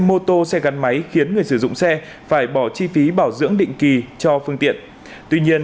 mô tô xe gắn máy khiến người sử dụng xe phải bỏ chi phí bảo dưỡng định kỳ cho phương tiện tuy nhiên